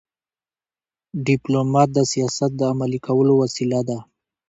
ډيپلومات د سیاست د عملي کولو وسیله ده.